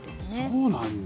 そうなんだ。